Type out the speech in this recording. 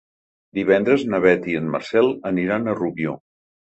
Divendres na Beth i en Marcel aniran a Rubió.